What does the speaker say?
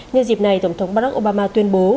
như dịp này tổng thống barack obama tuyên bố